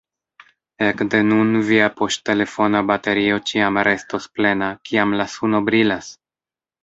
Ekde nun via poŝtelefona baterio ĉiam restos plena, kiam la suno brilas!